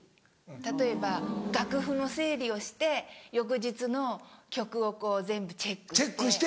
例えば楽譜の整理をして翌日の曲を全部チェックして。